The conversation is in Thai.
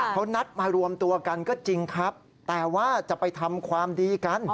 เขานัดมารวมตัวกันก็จริงครับแต่ว่าจะไปทำความดีกัน